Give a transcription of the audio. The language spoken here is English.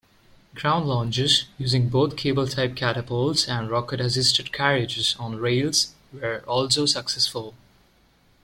Ground launches, using both cable-type catapults and rocket-assisted carriages on rails were also successful.